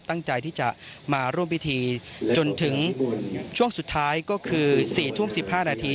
ตั้งใจที่จะมาร่วมพิธีจนถึงช่วงสุดท้ายก็คือ๔ทุ่ม๑๕นาที